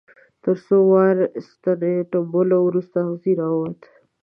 تر څو واره ستنې ټومبلو وروسته اغزی را ووت.